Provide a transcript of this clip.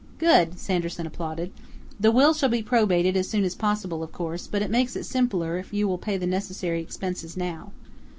"Good!" Sanderson applauded. "The will shall be probated as soon as possible, of course, but it makes it simpler if you will pay the necessary expenses now."